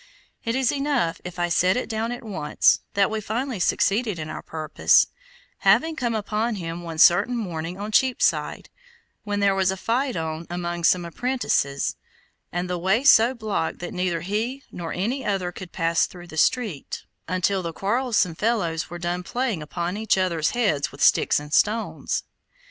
It is enough if I set it down at once that we finally succeeded in our purpose, having come upon him one certain morning on Cheapside, when there was a fight on among some apprentices, and the way so blocked that neither he nor any other could pass through the street, until the quarrelsome fellows were done playing upon each other's heads with sticks and stones.